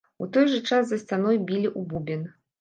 У той жа час за сцяной білі ў бубен.